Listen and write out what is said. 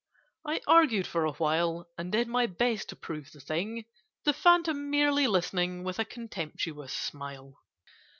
I argued for a while, And did my best to prove the thing— The Phantom merely listening With a contemptuous smile.